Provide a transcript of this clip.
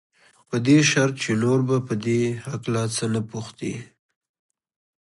په دې شرط چې نور به په دې هکله څه نه پوښتې.